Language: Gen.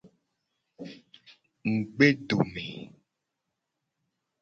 Ngugbedome.